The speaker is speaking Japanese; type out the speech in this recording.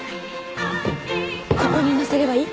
ここにのせればいい？